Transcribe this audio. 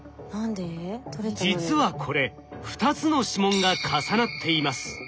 実はこれ２つの指紋が重なっています。